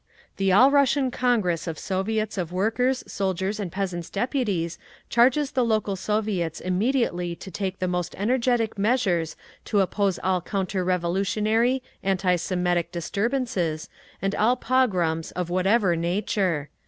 "The All Russian Congress of Soviets of Workers', Soldiers' and Peasants' Deputies charges the local Soviets immediately to take the most energetic measures to oppose all counter revolutionary anti Semitic disturbances, and all pogroms of whatever nature.